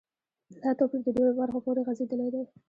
دا توپیر د ډیرو برخو پوری غځیدلی دی.